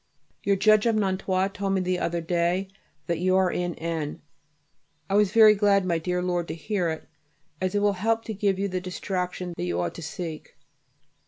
Your judge of Nantua told me the other day that you are at N. I was very glad, my dear Lord, to hear it, as it will help to give you the distraction that you ought to seek.